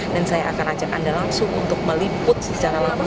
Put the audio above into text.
dan saya akan ajak anda langsung untuk meliput secara langsung